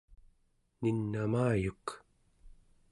nin'amayuk